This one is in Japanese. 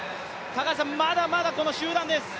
まだまだこの集団です。